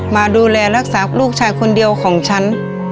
มาดูแลรักษาลูกชายคนเดียวของฉัน